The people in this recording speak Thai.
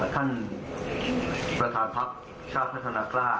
ท่านประธานพักชาติพัฒนากล้า